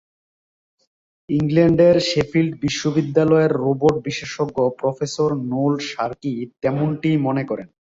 ইংল্যান্ডের শেফিল্ড বিশ্ববিদ্যালয়ের রোবট বিশেষজ্ঞ প্রফেসর নোল শার্কি তেমনটিই মনে করেন।